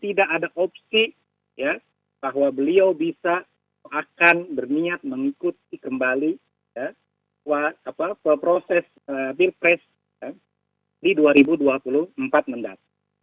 tidak ada opsi ya bahwa beliau bisa akan berniat mengikuti kembali proses pilpres di dua ribu dua puluh empat mendatang